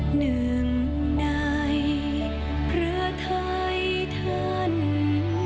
หนึ่งในพระทัยธรรม